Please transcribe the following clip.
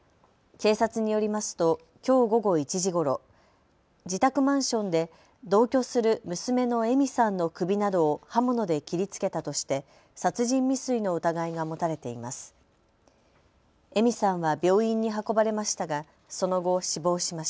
警察によりますときょう午後１時ごろ、自宅マンションで同居する娘の枝美さんの首などを刃物で切りつけたとして殺人未遂の疑いが持たれています。